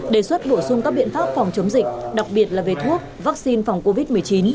đề xuất bổ sung các biện pháp phòng chống dịch đặc biệt là về thuốc vaccine phòng covid một mươi chín